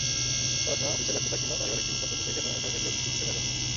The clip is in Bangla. পড়াশোনা, অফিসের ব্যস্ততা কিংবা পারিবারিক জীবন—সবকিছুতেই যেন একধরনের বিরক্তি, খিটখিটে মেজাজ।